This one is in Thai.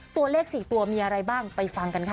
ตัวเลข๔ตัวมีอะไรบ้างไปฟังกันค่ะ